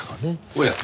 おや？